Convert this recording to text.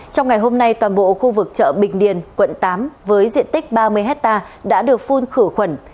trong ngày hôm nay toàn bộ khu vực chợ bình điền quận tám với diện tích ba mươi hectare đã được phun khử khuẩn